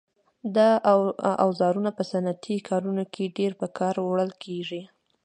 دا اوزارونه په صنعتي کارونو کې ډېر په کار وړل کېږي.